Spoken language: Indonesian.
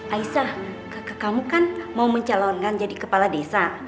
aisah kakak kamu kan mau mencalonkan jadi kepala desa